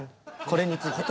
これについて。